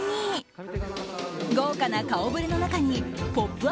豪華な顔ぶれの中に「ポップＵＰ！」